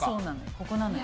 ここなのよ。